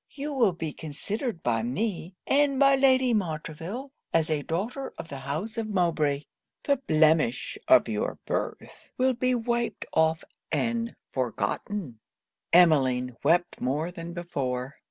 You will be considered by me, and by Lady Montreville, as a daughter of the house of Mowbray. The blemish of your birth will be wiped off and forgotten.' Emmeline wept more than before.